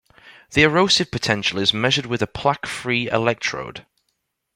The erosive potential is measured with a plaque-free electrode.